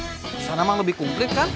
di sana memang lebih komplit kan